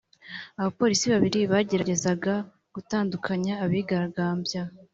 abapolisi babiri bageragezaga gutandukanya abigaragambya